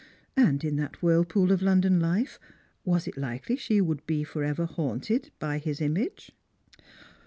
And in that whirlpool of London life was it likely she would be for ever haunted by his image